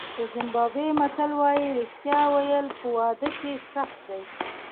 د زیمبابوې متل وایي رښتیا ویل په واده کې سخت دي.